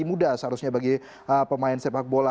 muda seharusnya bagi pemain sepak bola